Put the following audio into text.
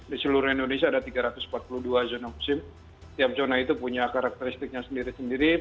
di seluruh indonesia ada tiga ratus empat puluh dua zona musim tiap zona itu punya karakteristiknya sendiri sendiri